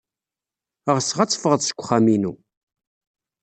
Ɣseɣ ad teffɣed seg uxxam-inu.